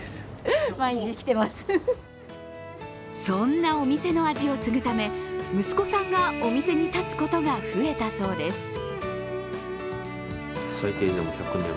そんなお店の味を継ぐため、息子さんがお店に立つことが増えたそうです。